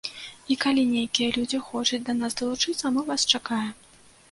І калі нейкія людзі хочуць да нас далучыцца, мы вас чакаем!